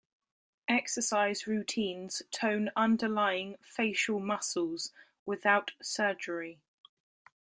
Exercise routines tone underlying facial muscles without surgery.